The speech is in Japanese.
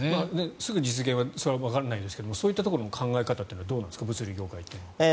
すぐに実現はわからないですがそういったところの考え方はどうなんですか、物流業界の。